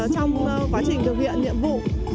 trong quá trình thực hiện nhiệm vụ